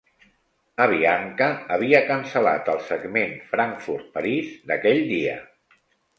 Avianca havia cancel·lat el segment Frankfurt-París d'aquell dia.